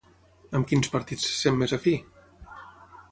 Amb quins partits se sent més afí?